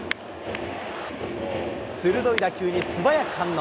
鋭い打球に素早く反応。